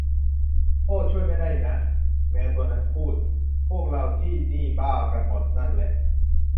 โอ้ ช่วยไม่ได้นะ แมวตัวนั้นพูด พวกเราที่นี่บ้ากันหมดนั่นแหละ